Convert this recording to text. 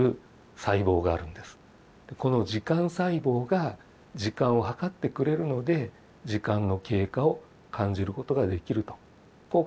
この時間細胞が時間を計ってくれるので時間の経過を感じることができるとこう考えられています。